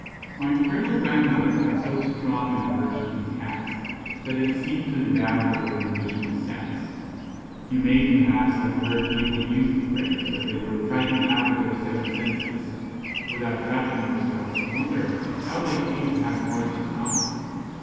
My maternal grandmother had so strong an aversion to Cats that it seemed to endow her with an additional sense. You may, perhaps, have heard people use the phrase, that they were "frightened out of their seven senses," without troubling yourselves to wonder how they came to have more than five.